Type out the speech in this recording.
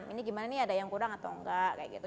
ini gimana nih ada yang kurang atau enggak kayak gitu